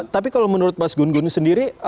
tapi kalau menurut mas gun gun sendiri